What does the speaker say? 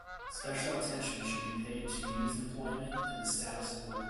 Special attention should be paid to youth employment and the status of women.